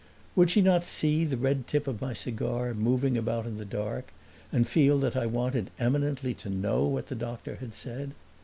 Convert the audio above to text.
Would she not see the red tip of my cigar moving about in the dark and feel that I wanted eminently to know what the doctor had said?